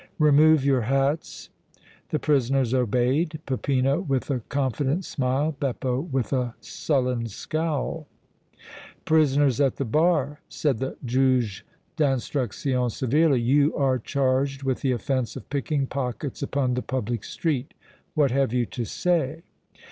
"Remove your hats." The prisoners obeyed, Peppino with a confident smile, Beppo with a sullen scowl. "Prisoners at the bar," said the Juge d' Instruction severely, "you are charged with the offense of picking pockets upon the public street. What have you to say?"